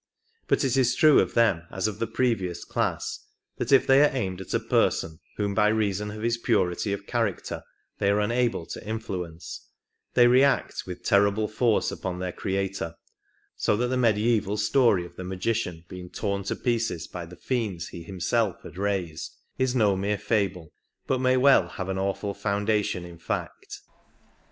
But it is true of them, as of the previous class, that if they are aimed at a person whom by reason of his purity of character they are unable to influence they react with terrible force upon their creator; so that the mediaeval story of the magician being torn to pieces by the fiends he himself had raised is no mere fable, but may well have an awful foundation in fact.